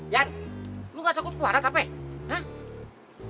jan lo ga takut gue ada capek